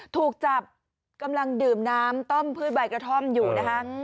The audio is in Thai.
ถูกจับกำลังดื่มน้ำต้มพืชใบกระท่อมอยู่นะคะ